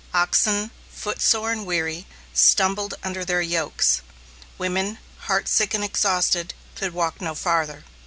Oxen, footsore and weary, stumbled under their yokes. Women, heartsick and exhausted, could walk no farther.